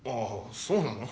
そうなの？